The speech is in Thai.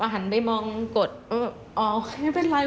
หันไปมองกดมันบอกโอเคไม่เป็นไร